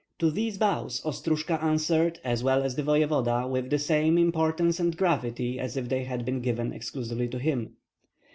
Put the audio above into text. To these bows Ostrojka answered, as well as the voevoda, with the same importance and gravity as if they had been given exclusively to him.